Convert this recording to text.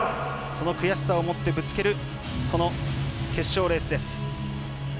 その悔しさを持ってぶつけるこの決勝レースです。